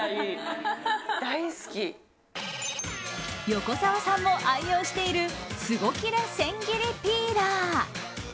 横澤さんも愛用しているスゴ切れ千切りピーラー。